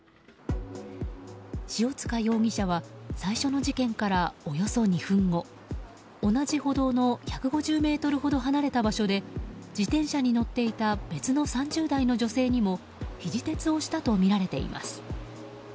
塩塚容疑者は最初の事件から、およそ２分後同じ歩道の１５０ｍほど離れた場所で自転車に乗っていた別の３０代の女性にもひじ鉄をしたとみられています。